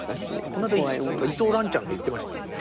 この間伊藤蘭ちゃんが言ってました。